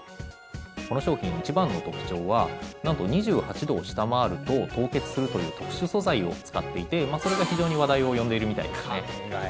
この商品一番の特徴はなんと２８度を下回ると凍結するという特殊素材を使っていてそれが非常に話題を呼んでいるみたいですね。